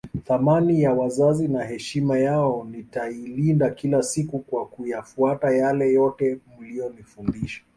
Thamani ya wazazi na heshima yao nitailinda kila siku kwa kuyafuata yale yote mliyonifundisha